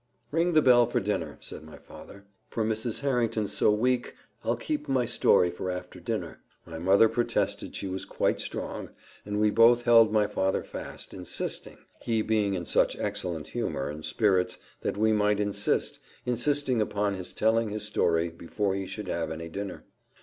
"Ring the bell for dinner," said my father, "for Mrs. Harrington's so weak, I'll keep my story till after dinner." My mother protested she was quite strong, and we both held my father fast, insisting he being in such excellent humour and spirits that we might insist insisting upon his telling his story before he should have any dinner.